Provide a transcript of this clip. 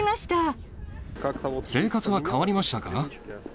生活は変わりましたか？